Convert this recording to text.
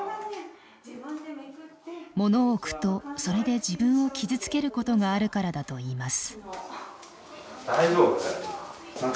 物を置くとそれで自分を傷つけることがあるからだといいます。